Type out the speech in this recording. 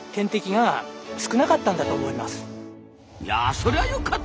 そりゃよかった。